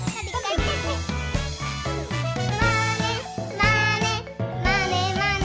「まねまねまねまね」